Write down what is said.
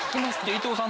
伊藤さん